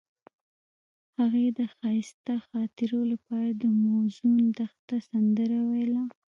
هغې د ښایسته خاطرو لپاره د موزون دښته سندره ویله.